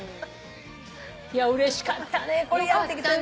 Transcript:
いやうれしかったねこれ。